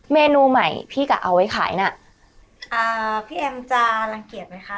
เมนูใหม่พี่กะเอาไว้ขายน่ะอ่าพี่แอมจะรังเกียจไหมคะ